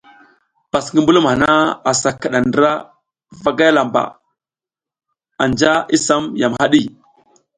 Pas ngi mbulum hana asa kiɗa ndra vagay lamba, anja i sam yam haɗi.